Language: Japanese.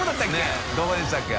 どこだったっけ？